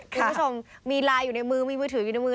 คุณผู้ชมมีไลน์อยู่ในมือมีมือถืออยู่ในมือ